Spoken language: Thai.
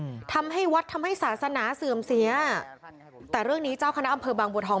อืมทำให้วัดทำให้ศาสนาเสื่อมเสียแต่เรื่องนี้เจ้าคณะอำเภอบางบัวทอง